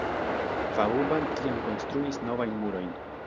Vauban tiam konstruis novajn murojn.